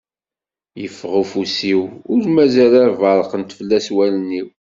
Yeffeɣ afus-iw, ur mazal ad berqent fell-as wallen-iw.